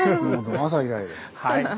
朝以来で。